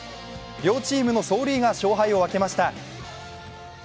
両チームの走塁が勝敗を分けました。